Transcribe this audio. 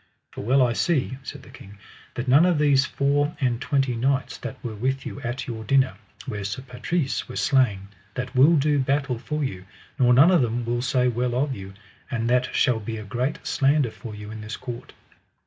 For well I see, said the king, that none of these four and twenty knights that were with you at your dinner where Sir Patrise was slain, that will do battle for you, nor none of them will say well of you, and that shall be a great slander for you in this court.